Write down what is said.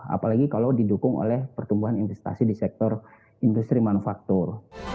apalagi kalau didukung oleh pertumbuhan investasi di sektor industri manufaktur